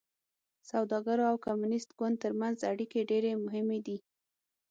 سوداګرو او کمونېست ګوند ترمنځ اړیکې ډېرې مهمې دي.